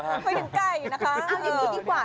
เอาอย่างนี้ดีกว่า